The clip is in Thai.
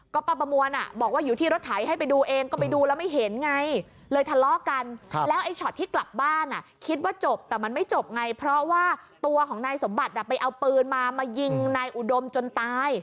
ก็ป้าประมวลบอกว่าอยู่ที่รถไถให้ไปดูเองก็ไปดูแล้วไม่เห็นไงเลยทะเลาะกันแล้วไอ้ช็อตที่กลับบ้านคิดว่าจบแต่มันไม่จบไงเพราะว่าตัวของนายสมบัติไปเอาปืนมามายิงนายอุดมจนตาย